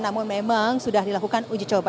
namun memang sudah dilakukan uji coba